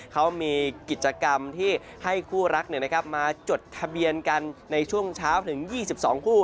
เขามีกิจกรรมที่ให้คู่รักมาจดทะเบียนกันในช่วงเช้าถึง๒๒คู่